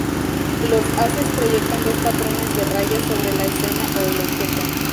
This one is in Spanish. Los haces proyectan dos patrones de rayas sobre la escena o el objeto.